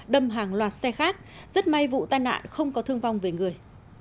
đâm hàng loạt xe khác rất may vụ tai nạn không có thương vong về người